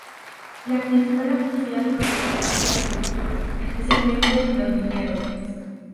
La principal actividad económica es la agricultura, especialmente los viñedos.